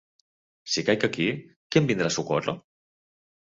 Si caic aquí, qui em vindrà a socórrer?